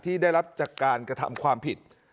ได้รับจากการกระทำความผิด